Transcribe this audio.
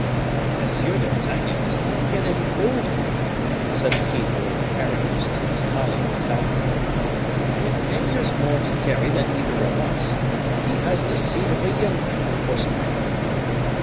"M. d'Artagnan does not get any older," said the keeper of the harriers to his colleague the falconer; "with ten years more to carry than either of us, he has the seat of a young man on horseback."